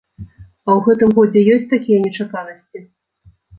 А ў гэтым годзе ёсць такія нечаканасці?